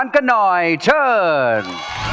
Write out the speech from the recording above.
ไปเชิญ